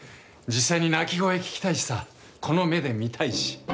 実際に鳴き声聞きたいしさこの目で見たいし。